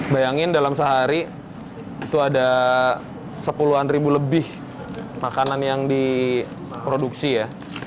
bayangin dalam sehari itu ada sepuluhan ribu lebih makanan yang diproduksi ya